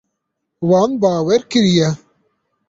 Wan bawer kiriye.